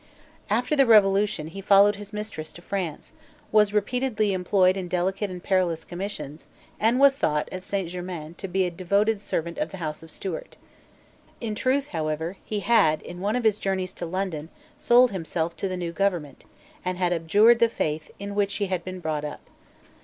After the Revolution, he followed his mistress to France, was repeatedly employed in delicate and perilous commissions, and was thought at Saint Germains to be a devoted servant of the House of Stuart. In truth, however, he had, in one of his journeys to London, sold himself to the new government, and had abjured the faith in which he had been brought up.